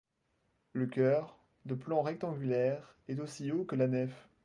Le chœur, de plan rectangulaire, est aussi haut que la nef.